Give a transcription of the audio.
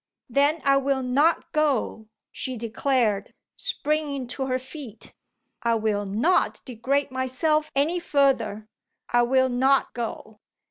"Then I will not go!" she declared, springing to her feet. "I will not degrade myself any further. I will not go!"